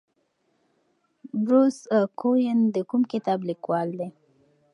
بروس کوئن د کوم کتاب لیکوال دی؟